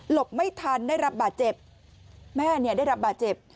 ไม่ทันได้รับบาดเจ็บแม่เนี่ยได้รับบาดเจ็บ